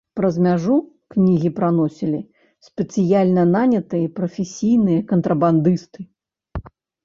Праз мяжу кнігі праносілі спецыяльна нанятыя прафесійныя кантрабандысты.